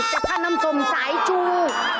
แต่ถ้าน่ำสมสายจู